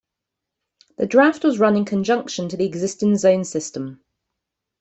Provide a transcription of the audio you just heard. The draft was run in conjunction to the existing zone system.